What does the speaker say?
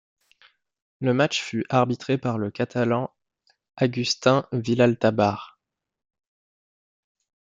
Le match fut arbitré par le catalan Agustín Vilalta Bars.